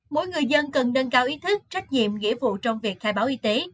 mỗi người dân cần nâng cao ý thức trách nhiệm nghĩa vụ trong việc khai báo y tế